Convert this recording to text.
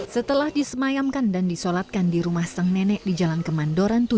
setelah disemayamkan dan disolatkan di rumah sang nenek di jalan kemandoran tujuh